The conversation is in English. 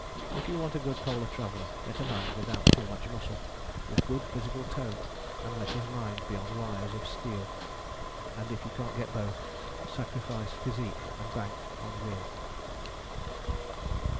If you want a good polar traveller get a man without too much muscle, with good physical tone, and let his mind be on wires of steel. And if you can't get both, sacrifice physique and bank on will.